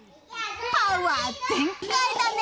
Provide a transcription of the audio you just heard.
パワー全開だね！